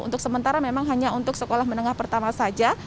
untuk sementara memang hanya untuk sekolah menengah pertama saja